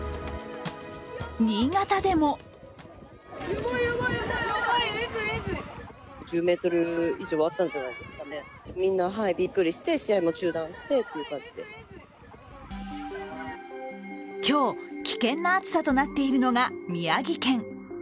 新潟でも今日、危険な暑さとなっているのが宮城県。